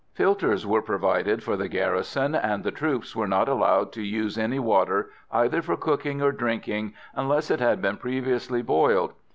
Filters were provided for the garrison, and the troops were not allowed to use any water, either for cooking or drinking, unless it had been previously boiled.